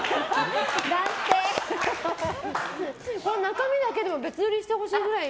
中身だけでも別売りしてほしいくらい